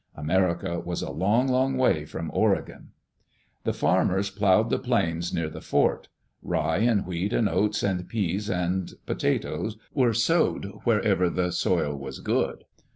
"America " was a long, long way from Oregon. The farmers ploughed the plains near the fort. Rye and wheat and oats and pease and potatoes were sowed wherever the soil was good.